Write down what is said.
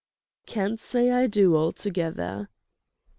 "Can't say I do, altogether."